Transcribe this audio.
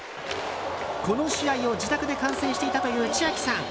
この試合を自宅で観戦していたという千秋さん。